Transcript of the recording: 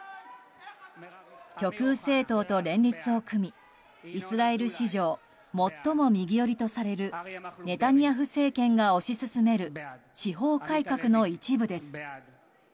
極右政党と連立を組みイスラエル史上最も右寄りとされるネタニヤフ政権が推し進める司法改革の一部です。